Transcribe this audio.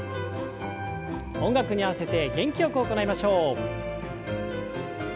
音楽に合わせて元気よく行いましょう。